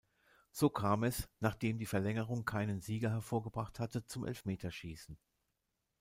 So kam es, nachdem die Verlängerung keinen Sieger hervorgebracht hatte, zum Elfmeterschießen.